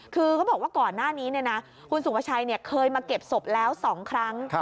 คือเขาบอกว่าก่อนหน้านี้คุณสุภาชัยเคยมาเก็บศพแล้ว๒ครั้ง